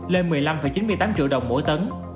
lên một mươi năm chín mươi tám triệu đồng mỗi tấn